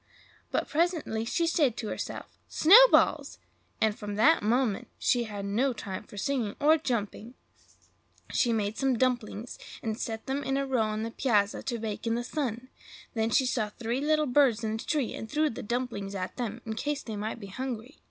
But presently she said to herself, "snowballs!" and from that moment she had no time for singing or jumping. First she made some dumplings, and set them in a row on the piazza to bake in the sun; then she saw three little birds in a tree, and threw the dumplings at them, in case they might be hungry.